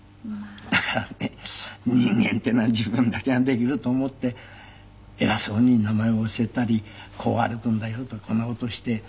だからね人間っていうのは自分だけができると思って偉そうに名前を教えたりこう歩くんだよとかこんな事をして。